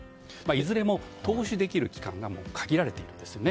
いずれも投資できる期間が限られているんです。